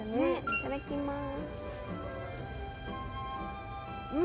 いただきます